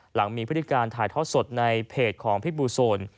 หลังมีพฤติการถ่ายทอดสดในเพจของพิษบูโซน